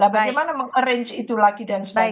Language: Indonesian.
bagaimana mengarrange itu lagi dan sebagainya